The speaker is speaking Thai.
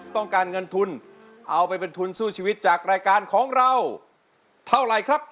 ต้องการเงินทุนเอาไปเป็นทุนสู้ชีวิตจากรายการของเราเท่าไหร่ครับ